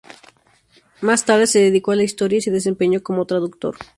Más tarde se dedicó a la Historia y se desempeñó como traductor.